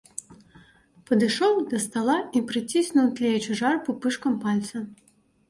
Падышоў да стала і прыціснуў тлеючы жар пупышкам пальца.